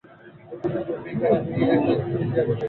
ভিক আর আমি তাকে সিপিআর দিয়েছি।